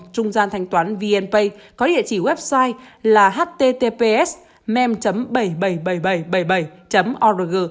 trung gian thanh toán vnpay có địa chỉ website là https mem bảy trăm bảy mươi bảy nghìn bảy trăm bảy mươi bảy org